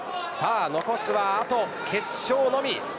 残すはあと決勝のみ。